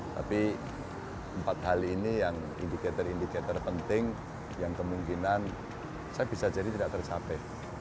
tapi empat hal ini yang indikator indikator penting yang kemungkinan saya bisa jadi tidak tercapai